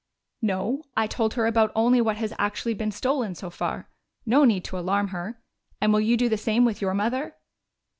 "No. I told her about only what has actually been stolen so far. No need to alarm her. And will you do the same with your mother?"